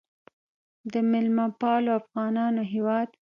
د میلمه پالو افغانانو هیواد.